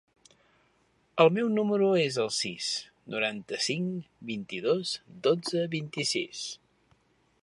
El meu número es el sis, noranta-cinc, vint-i-dos, dotze, vint-i-sis.